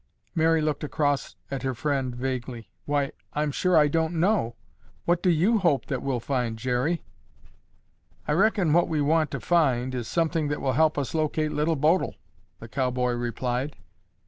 Mary looked across at her friend vaguely. "Why, I'm sure I don't know. What do you hope that we'll find, Jerry?" "I reckon what we want to find is something that will help us locate Little Bodil," the cowboy replied.